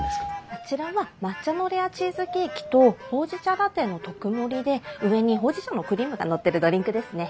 あちらは抹茶のレアチーズケーキとほうじ茶ラテの特盛りで上にほうじ茶のクリームがのってるドリンクですね。